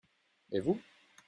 Et vous ?